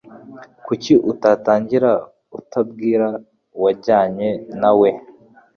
Kuki utatangira utubwira uwajyanye nawe?